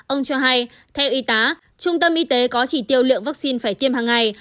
ông cho hay theo y tá trung tâm y tế có chỉ tiêu liệu vaccine phải tiêm hàng ngày